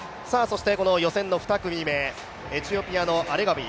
予選の２組目、エチオピアのアレガウィ。